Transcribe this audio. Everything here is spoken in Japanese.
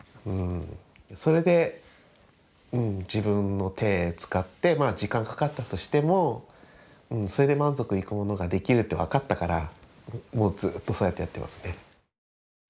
それで自分の手使って時間かかったとしてもそれで満足いくものができるって分かったからもうずっとそうやってやってますね。